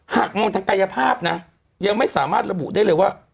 หากมองทางกายภาพนะยังไม่สามารถระบุได้เลยว่า